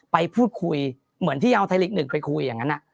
ไปพูดคุยเหมือนที่เอาไทยลีก๑ไปคุยอย่างนั้น